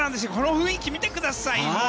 この雰囲気見てください。